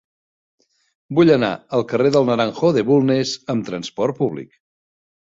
Vull anar al carrer del Naranjo de Bulnes amb trasport públic.